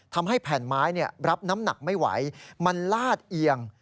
ทำให้แผ่นไม้รับน้ำหนักไม่ไหวมันลาดเอียง